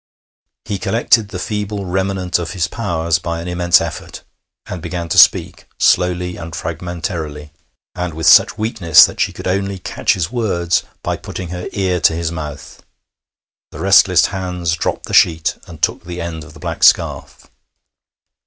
He collected the feeble remnant of his powers by an immense effort, and began to speak, slowly and fragmentarily, and with such weakness that she could only catch his words by putting her ear to his mouth. The restless hands dropped the sheet and took the end of the black scarf.